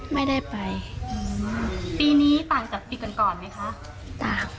ไม่ได้ไปอืมปีนี้ต่างจากปีก่อนก่อนไหมคะจ้ะ